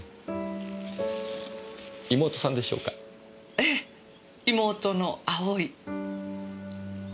ええ妹の葵。